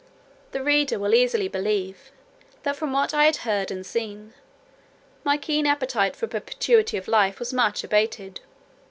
The reader will easily believe, that from what I had heard and seen, my keen appetite for perpetuity of life was much abated.